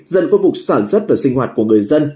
dân quân vục sản xuất và sinh hoạt của người dân